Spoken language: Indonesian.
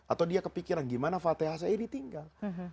atau dia kepikiran gimana fatihah saya ditinggal